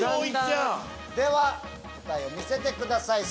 では答えを見せてください。